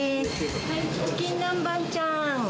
はい、チキン南蛮ちゃーん。